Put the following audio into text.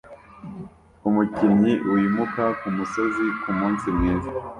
Umukinnyi wimuka kumusozi kumunsi mwiza